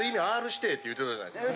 って言うてたじゃないですか。